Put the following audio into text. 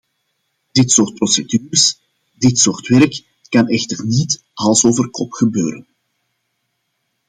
Dit soort procedures, dit soort werk kan echter niet hals over kop gebeuren.